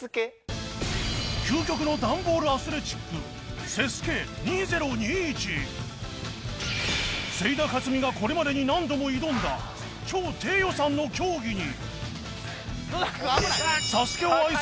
究極の段ボールアスレチックせい田勝己がこれまでに何度も挑んだ超低予算の競技に